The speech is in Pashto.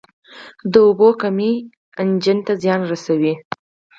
د اوبو کمی انجن ته زیان رسوي.